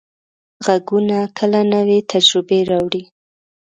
غږونه کله نوې تجربې راوړي.